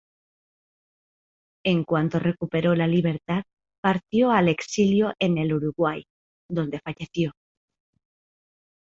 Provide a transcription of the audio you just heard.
En cuanto recuperó la libertad partió al exilio en el Uruguay, donde falleció.